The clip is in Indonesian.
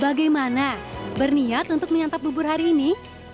bagaimana berniat untuk menyantap bubur hari ini